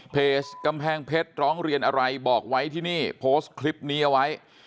เพจกำแพงเพชรร้องเรียนอะไรบอกไว้ที่นี่โพสต์คลิปนี้เอาไว้